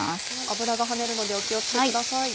油がはねるのでお気を付けください。